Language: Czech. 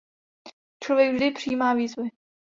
Člověk vždy přijímá výzvy.